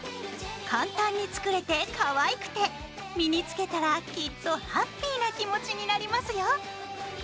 簡単に作れてかわいくて身に着けたらきっとハッピーな気持ちになりますよ！